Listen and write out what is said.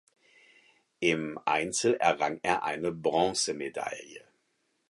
Im Einzel errang er eine Bronzemedaille.